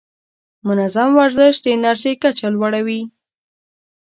منظم ورزش د انرژۍ کچه لوړه وي.